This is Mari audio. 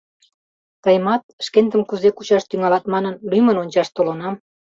— Тыйымат, шкендым кузе кучаш тӱҥалат манын, лӱмын ончаш толынам.